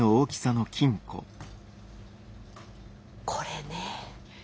これね